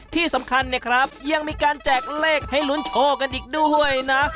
ที่สำคัญเนี่ยครับยังมีการแจกเลขให้ลุ้นโชคกันอีกด้วยนะ